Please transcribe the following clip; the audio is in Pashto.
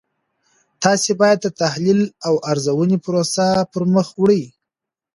تاسې باید د تحلیلي او ارزونې پروسه پرمخ وړئ.